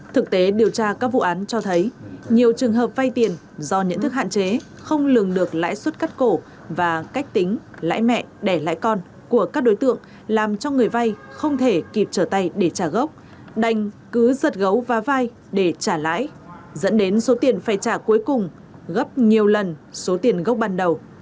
thực tế điều tra các vụ án cho thấy nhiều trường hợp vai tiền do nhận thức hạn chế không lường được lãi suất cắt cổ và cách tính lãi mẹ đẻ lãi con của các đối tượng làm cho người vai không thể kịp trở tay để trả gốc đành cứ giật gấu và vai để trả lãi dẫn đến số tiền phải trả cuối cùng gấp nhiều lần số tiền gốc ban đầu